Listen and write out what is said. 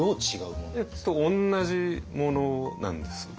同じものなんです。